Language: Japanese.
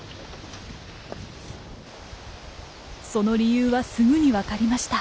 その理由はすぐに分かりました。